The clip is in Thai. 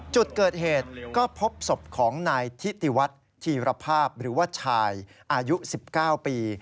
จุดเกิดเหตุก็พบศพของนายทิติวัฒน์ธีรภาพหรือว่าชายอายุ๑๙ปี